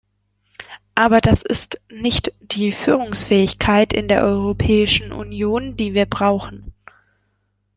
Aber das ist nicht die Führungsfähigkeit in der Europäischen Union, die wir brauchen.